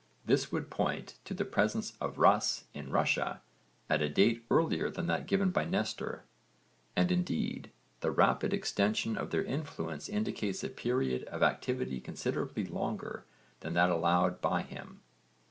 This would point to the presence of 'Rus' in Russia at a date earlier than that given by Nestor, and indeed the rapid extension of their influence indicates a period of activity considerably longer than that allowed by him.